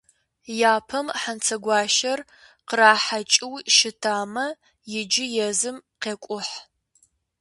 Япэм Хьэнцэгуащэр кърахьэкӏыу щытамэ, иджы езым къекӏухь.